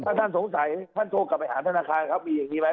ถ้าท่านสงสัยท่านโทรกลับไปหาธนาคารครับมีอย่างนี้ไหม